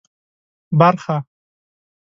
برخه